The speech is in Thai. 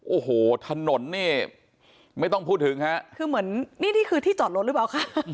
โอ้โหถนนนี่ไม่ต้องพูดถึงฮะคือเหมือนนี่นี่คือที่จอดรถหรือเปล่าคะ